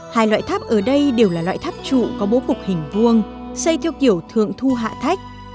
hai loại tháp ở đây đều là loại tháp trụ có bố cục hình vuông xây theo kiểu thượng thu hạ thách